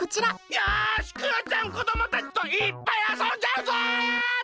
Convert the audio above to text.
よしクヨちゃんこどもたちといっぱいあそんじゃうぞ！